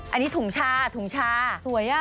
อันนี้ถุงชาถุงชาสวยอ่ะ